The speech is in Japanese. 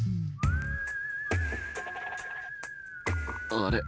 あれ？